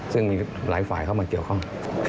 ซึ่งมีหลายฝ่ายเข้ามาเกี่ยวข้อง